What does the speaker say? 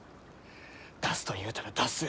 出すと言うたら出す。